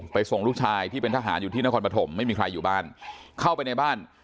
ส่งลูกชายที่เป็นทหารอยู่ที่นครปฐมไม่มีใครอยู่บ้านเข้าไปในบ้าน